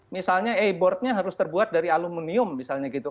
misalnya e boardnya harus terbuat dari aluminium misalnya gitu